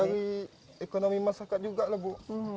dari ekonomi masyarakat juga lah bu